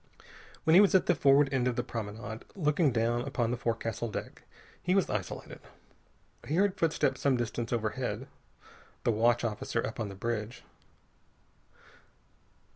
When he was at the forward end of the promenade, looking down upon the forecastle deck, he was isolated. He heard footsteps some distance overhead. The watch officer up on the bridge.